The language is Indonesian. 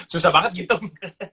susah banget ngitung